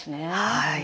はい。